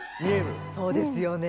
そうですよね。